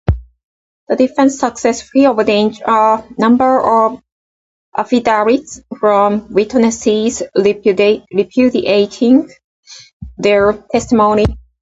The defense successfully obtained a number of affidavits from witnesses repudiating their testimony.